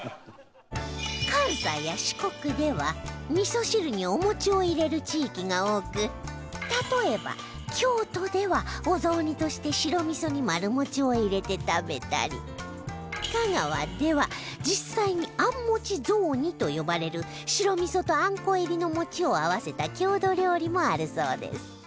関西や四国では味噌汁にお餅を入れる地域が多く例えば京都ではお雑煮として白味噌に丸餅を入れて食べたり香川では実際にあんもち雑煮と呼ばれる白味噌とあんこ入りの餅を合わせた郷土料理もあるそうです